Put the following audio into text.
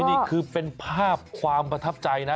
นี่คือเป็นภาพความประทับใจนะ